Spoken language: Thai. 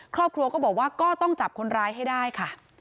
ครอบครัวก็บอกว่าก็ต้องจับคนร้ายให้ได้ค่ะ